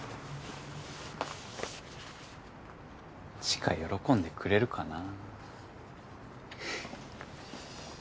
知花喜んでくれるかな。